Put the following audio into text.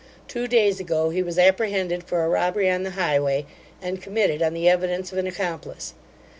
Two days ago he was apprehended for a robbery on the highway, and committed, on the evidence of an accomplice.